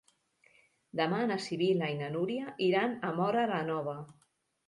Demà na Sibil·la i na Núria iran a Móra la Nova.